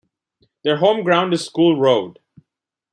Their home ground is School Road.